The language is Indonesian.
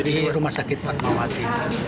di rumah sakit fatmawati